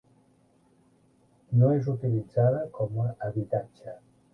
No és utilitzada com a habitatge.